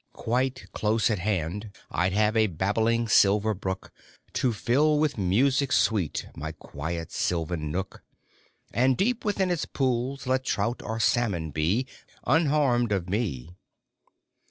Quite close at hand I d have a babbling silver brook To fill with music sweet my quiet sylvan nook ; And deep within its pools let trout or salmon be, Unharmed of me